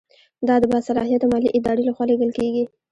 دا د باصلاحیته مالي ادارې له خوا لیږل کیږي.